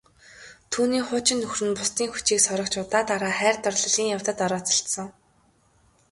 Түүний хуучин нөхөр нь бусдын хүчийг сорогч удаа дараа хайр дурлалын явдалд орооцолдсон.